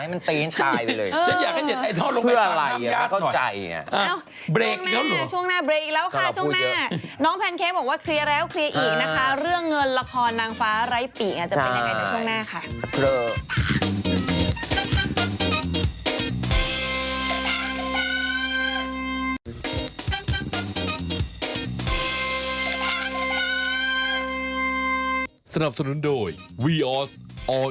เรื่องเงินละครนางฟ้าร้ายปีอ่ะจะเป็นอย่างไรในช่วงหน้าค่ะ